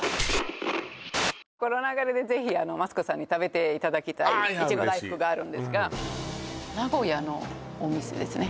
この中でぜひマツコさんに食べていただきたいああいや嬉しいいちご大福があるんですが名古屋のお店ですね